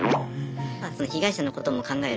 その被害者のことも考える